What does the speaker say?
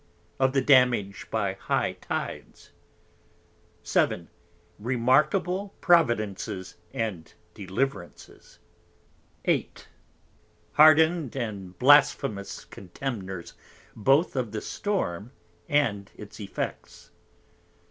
by High Tides. 7. Remarkable Providences and Deliverances. 8. Hardned and blasphemous Contemners both of the Storm and its Effects.